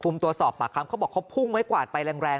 ตัวสอบปากคำเขาบอกเขาพุ่งไม้กวาดไปแรง